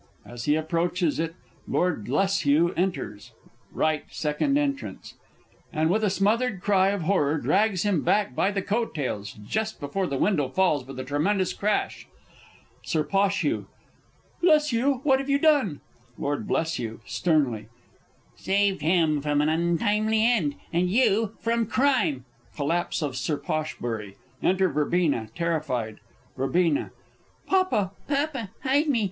As he approaches it,_ Lord BLESHUGH enters (R 2 E), _and, with a smothered cry of horror, drags him back by the coat tails just before the window falls with a tremendous crash._ Sir P. Bleshugh! What have you done? Lord Blesh. (sternly). Saved him from an untimely end and you from crime! Collapse of Sir P. Enter VERBENA, terrified. Verb. Papa, Papa, hide me!